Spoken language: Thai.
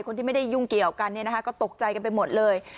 คนที่ไม่ได้ยุ่งเกี่ยวกันก็ตกใจกันไปหมดเลย